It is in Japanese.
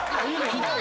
ひどい！